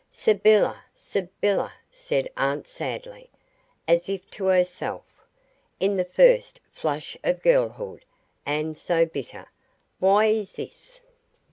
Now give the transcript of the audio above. "Sybylla, Sybylla," said auntie sadly, as if to herself. "In the first flush of girlhood, and so bitter. Why is this?"